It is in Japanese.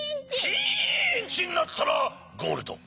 ピンチになったらゴールド！